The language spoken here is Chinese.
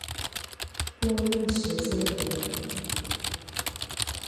播映时间为。